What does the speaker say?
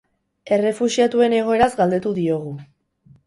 Errefuxiatuen egoeraz galdetu diogu.